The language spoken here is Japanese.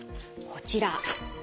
こちら。